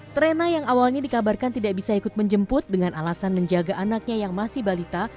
trena yang awalnya dikabarkan tidak bisa ikut menjemput dengan alasan menjaga anaknya yang masih balita